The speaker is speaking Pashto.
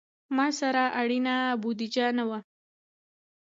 ما سره اړینه بودیجه نه وه.